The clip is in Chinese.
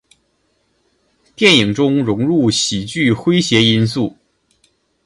电影中融入喜剧诙谐因素。